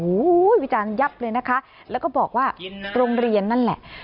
โอ้โหวิจารณ์ยับเลยนะคะแล้วก็บอกว่าโรงเรียนนั่นแหละ